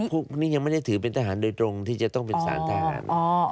พวกนี้ยังไม่ได้ถือเป็นทหารโดยตรงที่จะต้องเป็นสารทหาร